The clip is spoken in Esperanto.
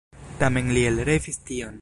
Tamen li elrevis tion.